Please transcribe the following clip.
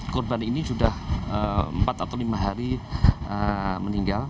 korban ini sudah empat atau lima hari meninggal